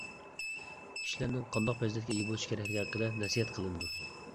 كىشىلەرنىڭ قانداق پەزىلەتكە ئىگە بولۇشى كېرەكلىكى ھەققىدە نەسىھەت قىلىنىدۇ.